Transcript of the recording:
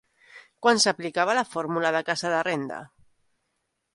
Quan s'aplicava la fórmula de "casa de renda"?